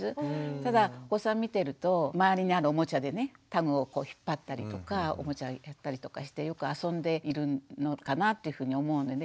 ただお子さん見てると周りにあるおもちゃでねタグを引っ張ったりとかおもちゃやったりとかしてよく遊んでいるのかなっていうふうに思うんでね。